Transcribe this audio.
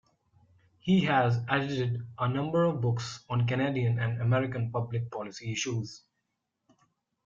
He has edited a number of books on Canadian and American public policy issues.